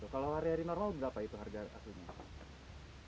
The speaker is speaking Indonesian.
kalau hari hari normal berapa itu harga aslinya